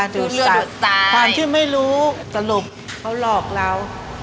ดูดซายทางที่ไม่รู้สรุปเขาหลอกเรา